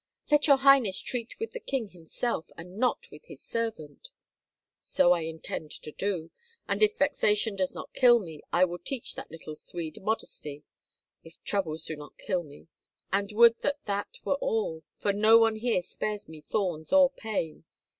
"Let your highness treat with the king himself, and not with his servant." "So I intend to do; and if vexation does not kill me I will teach that little Swede modesty, if troubles do not kill me; and would that that were all, for no one here spares me thorns or pain.